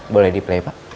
boleh di play pak